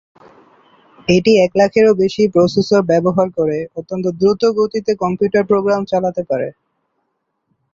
এটি এক লাখেরও বেশি প্রসেসর ব্যবহার করে অত্যন্ত দ্রুত গতিতে কম্পিউটার প্রোগ্রাম চালাতে পারে।